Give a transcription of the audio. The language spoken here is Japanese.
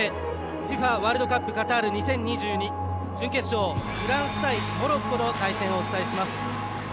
ＦＩＦＡワールドカップカタール２０２２準決勝、フランス対モロッコの対戦をお伝えします。